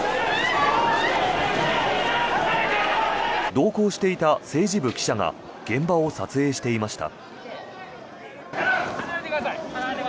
同行していた政治部記者が現場を撮影していました。